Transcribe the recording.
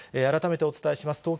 改めてお伝えします。